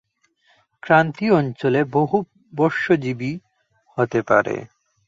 ক্রান্তীয় অঞ্চলে বহুবর্ষজীবী হতে পারে।